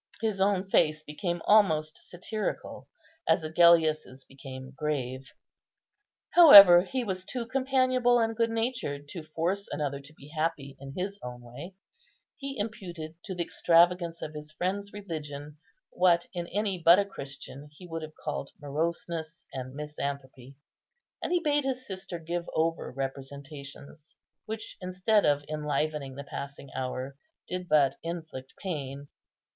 His own face became almost satirical as Agellius's became grave; however, he was too companionable and good natured to force another to be happy in his own way; he imputed to the extravagance of his friend's religion what in any but a Christian he would have called moroseness and misanthropy; and he bade his sister give over representations which, instead of enlivening the passing hour, did but inflict pain.